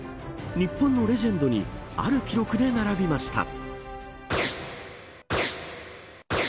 日本のレジェンドにある記録で並びました。